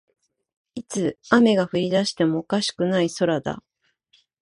いつ雨が降りだしてもおかしくない空だ